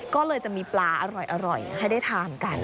ก็เลยจะมีปลาอร่อยให้ได้ทานกัน